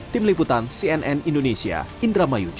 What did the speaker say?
tim liputan cnn indonesia indramayu